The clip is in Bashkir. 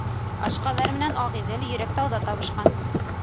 Ашҡаҙар менән Ағиҙел Йөрәктауҙа табышҡан;